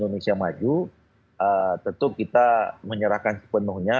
di indonesia maju tentu kita menyerahkan sepenuhnya